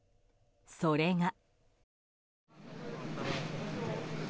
それが。